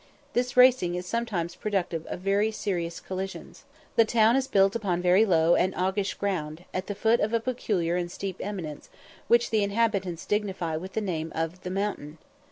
This racing is sometimes productive of very serious collisions. The town is built upon very low and aguish ground, at the foot of a peculiar and steep eminence, which the inhabitants dignify with the name of the Mountain.